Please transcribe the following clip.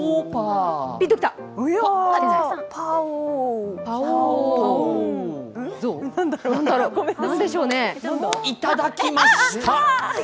パオー？いただきました！